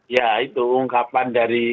ya itu ungkapan dari